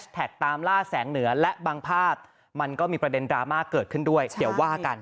ตามล่าแสงเหนือและบางภาพมันก็มีประเด็นดราม่าเกิดขึ้นด้วยเดี๋ยวว่ากัน